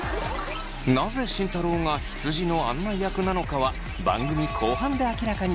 なぜ慎太郎がひつじの案内役なのかは番組後半で明らかになります。